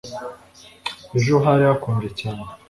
Ejo hari hakonje cyane